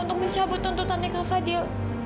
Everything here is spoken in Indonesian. aku mencabut tuntutannya kak fadil